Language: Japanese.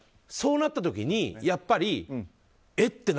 そうなった時に、やっぱりえっ？